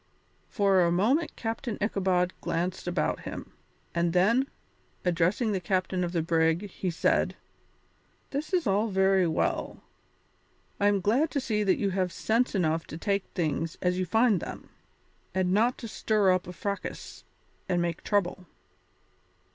For a moment Captain Ichabod glanced about him, and then, addressing the captain of the brig, he said: "This is all very well. I am glad to see that you have sense enough to take things as you find them, and not to stir up a fracas and make trouble.